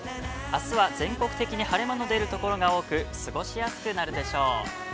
あすは、全国的に晴れ間の出るところが多く、過ごしやすくなるでしょう。